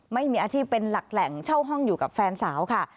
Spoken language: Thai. ไม่มีอาชีพเป็นหลักแหล่งเช่าห้องอยู่กับแฟนสาวค่ะ